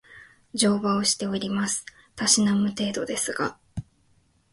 乗馬をしております。たしなむ程度ですが